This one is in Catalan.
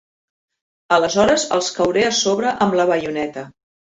Aleshores els cauré a sobre amb la baioneta.